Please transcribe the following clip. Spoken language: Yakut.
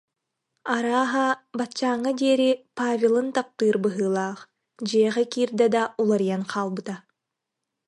Арааһа, баччааҥҥа диэри Павелын таптыыр быһыылаах, дьиэҕэ киирдэ да уларыйан хаалбыта